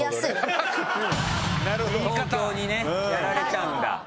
東京にねやられちゃうんだ。